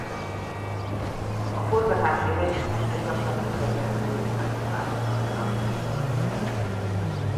A forgatási helyszíneket gyakran ötezer turista is látogatja naponta.